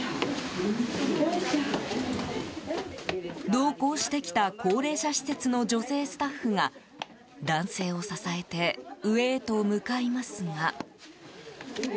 同行してきた高齢者施設の女性スタッフが男性を支えて上へと向かいますが。